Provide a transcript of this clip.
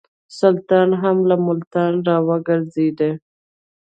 سلطان هم له ملتانه را وګرځېدی.